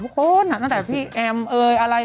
โอ้โหนั้นน่ะพี่แอมมิอะไร